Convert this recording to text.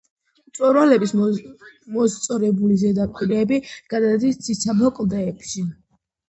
მწვერვალების მოსწორებული ზედაპირები გადადის ციცაბო კლდეებში.